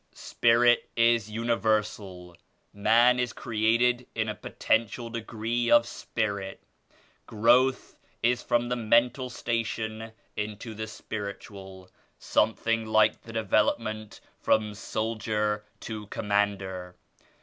"Spirit is universal. Man is created in a po tential degree of Spirit. Growth is from the mental station into the Spiritual ; something like the development from soldier to Commander.